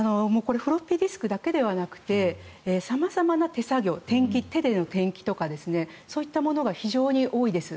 フロッピーディスクだけでなくて様々な手作業手での転記とかそういったものが非常に多いです。